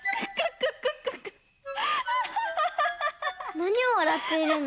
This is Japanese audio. なにを笑っているの？